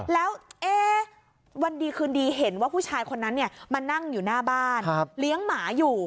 แล้ววันดีคืนดีเห็นว่าผู้ชายคนนั้นมานั่งอยู่หน้าบ้านเลี้ยงหมาอยู่